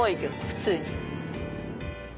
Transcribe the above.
普通に。